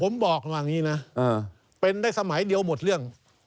ผมบอกประมาณอย่างนี้นะเป็นได้สมัยเดียวหมดเรื่อง